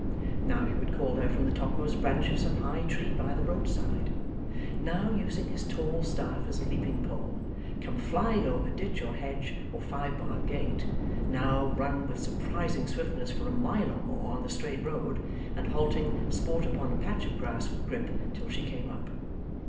Now he would call to her from the topmost branch of some high tree by the roadside; now using his tall staff as a leaping pole, come flying over ditch or hedge or five barred gate; now run with surprising swiftness for a mile or more on the straight road, and halting, sport upon a patch of grass with Grip till she came up.